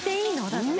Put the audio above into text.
だって。